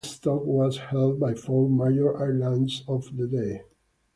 The corporation's stock was held by four major airlines of the day.